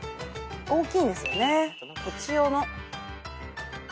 大きいんですよね。とちおの。